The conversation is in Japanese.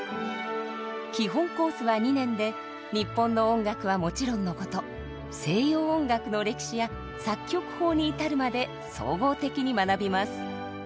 基本コースは２年で日本の音楽はもちろんのこと西洋音楽の歴史や作曲法に至るまで総合的に学びます。